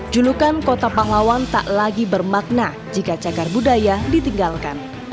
julukan kota pahlawan tak lagi bermakna jika cagar budaya ditinggalkan